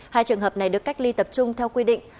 hai trường hợp này được cách ly tập trung theo quy định